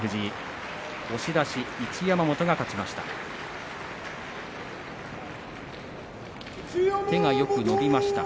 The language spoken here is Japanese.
押し出し、一山本が勝ちました。